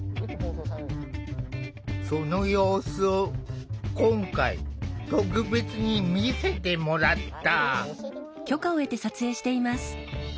その様子を今回特別に見せてもらった。